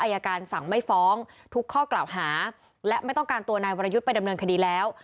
อายการสั่งไม่ฟ้องทุกข้อกล่าวหาและไม่ต้องการตัวนายวรยุทธ์ไปดำเนินคดีแล้ว